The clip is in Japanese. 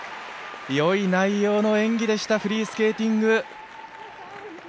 よい内容の演技でしたフリースケーティング。